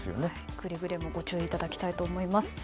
くれぐれもご注意いただきたいと思います。